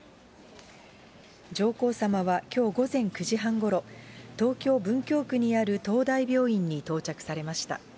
上皇さまはきょう午前９時半ごろ、東京・文京区にある東大病院に到着されました。